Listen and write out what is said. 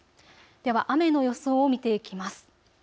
では雨の予想を見ていきます。